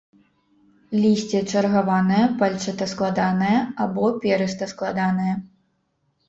Лісце чаргаванае, пальчата-складанае або перыста-складанае.